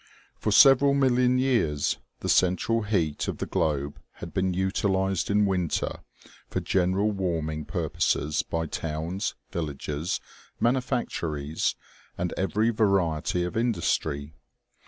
For several million years the central heat of the globe, had been utilized in winter for general warming pur poses by towns, villages, manufactories and every variety of industry.